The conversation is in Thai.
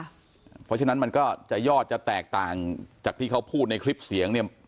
เพราะฉะนั้นมันก็จะยอดจะแตกต่างจากที่เขาพูดในคลิปเสียงเนี่ย